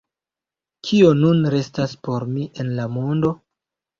Kio nun restas por mi en la mondo?